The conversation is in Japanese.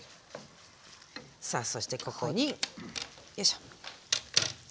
さあそしてここによいしょ。